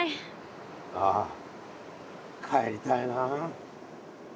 ああ帰りたいなあ。